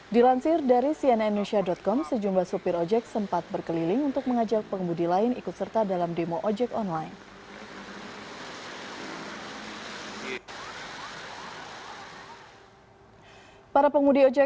dilansir dari cnn indonesia com sejumlah supir ojek sempat berkeliling untuk mengajak pengemudi lain ikut serta dalam demo ojek online